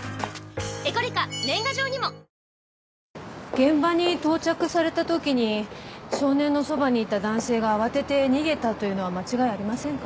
現場に到着されたときに少年のそばにいた男性が慌てて逃げたというのは間違いありませんか？